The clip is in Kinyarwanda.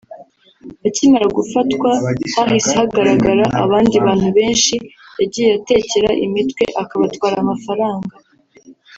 Akimara gufatwa hahise hagaragara abandi bantu benshi yagiye atekera imitwe akabatwara amafaranga